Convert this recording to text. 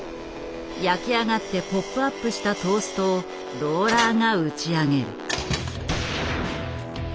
焼き上がってポップアップしたトーストをローラーが打ち上げる。